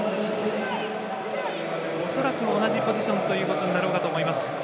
恐らく同じポジションになろうかと思います。